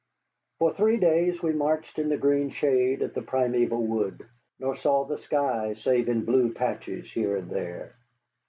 For three days we marched in the green shade of the primeval wood, nor saw the sky save in blue patches here and there.